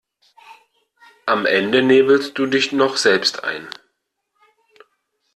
Am Ende nebelst du dich noch selbst ein.